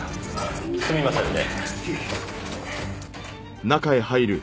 すみませんね。